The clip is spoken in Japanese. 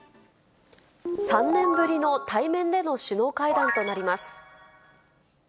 ３年ぶりの対面での首脳会談となります。